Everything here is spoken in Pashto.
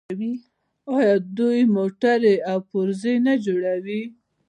آیا دوی موټرې او پرزې نه جوړوي؟